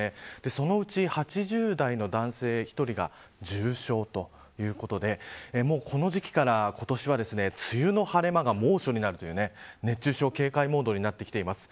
そのうち８０代の男性１人が重症ということでこの時期から今年は梅雨の晴れ間が猛暑になるという熱中症警戒モードになってきています。